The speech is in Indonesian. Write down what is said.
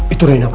itu reina apa